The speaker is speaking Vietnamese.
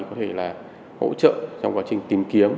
có thể là hỗ trợ trong quá trình tìm kiếm